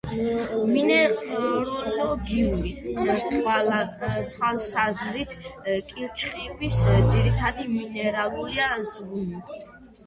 მინეროლოგიური თვალსაზრისით, კირჩხიბის ძირითადი მინერალია: ზურმუხტი.